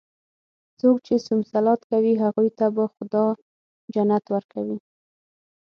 څوک چې صوم صلات کوي، هغوی ته به خدا جنت ورکوي.